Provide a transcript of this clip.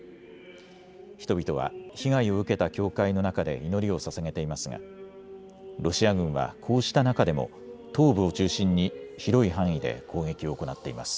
人々は被害を受けた教会の中で祈りをささげていますがロシア軍はこうした中でも東部を中心に広い範囲で攻撃を行っています。